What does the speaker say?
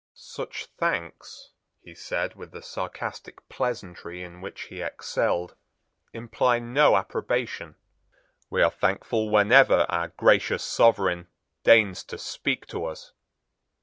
"Such thanks," he said with the sarcastic pleasantry in which he excelled, "imply no approbation. We are thankful whenever our gracious Sovereign deigns to speak to us.